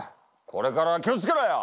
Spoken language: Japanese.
これからは気を付けろよ！